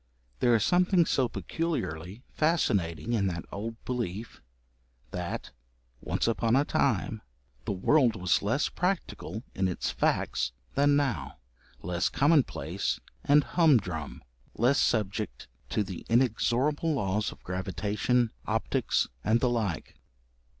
There was something so peculiarly fascinating in that old belief, that 'once upon a time' the world was less practical in its facts than now, less commonplace and humdrum, less subject to the inexorable laws of gravitation, optics, and the like.